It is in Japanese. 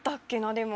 でも。